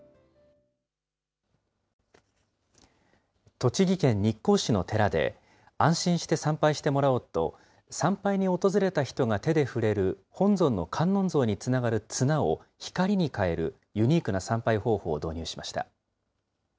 栃木県日光市の寺で、安心して参拝してもらおうと、参拝に訪れた人が手で触れる本尊の観音像につながる綱を光に代えるユニークな参拝方法を導入しました。